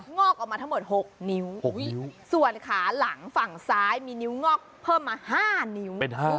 งอกออกมาทั้งหมด๖นิ้วส่วนขาหลังฝั่งซ้ายมีนิ้วงอกเพิ่มมา๕นิ้ว